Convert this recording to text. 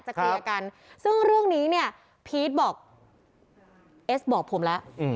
เคลียร์กันซึ่งเรื่องนี้เนี่ยพีชบอกเอสบอกผมแล้ว